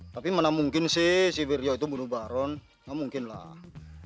tapi mana mungkin sih si birjo itu bunuh baron gak mungkin lah